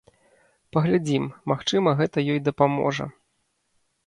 Паглядзім, магчыма гэта ёй дапаможа.